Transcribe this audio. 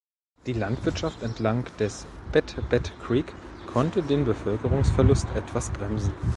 Die Landwirtschaft entlang des Bet Bet Creek konnte den Bevölkerungsverlust etwas bremsen.